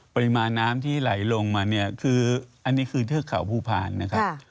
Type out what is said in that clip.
ปริมาณน้ำที่ไหลลงมาเนี่ยคืออันนี้คือเทือกเขาภูพาลนะครับ